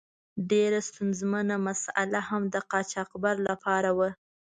ډیره ستونزمنه مساله هم د قاچاقبر له پاره وه.